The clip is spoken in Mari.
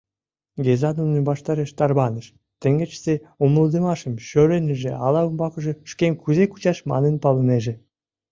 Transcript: Геза нунын ваштареш тарваныш — теҥгечысе умылыдымашым шӧрынеже ала умбакыже шкем кузе кучаш манын палынеже.